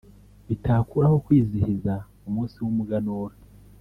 bitakuraho kwizihiza umunsi w’umuganura